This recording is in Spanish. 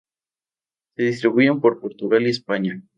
Se distribuyen por Portugal y España.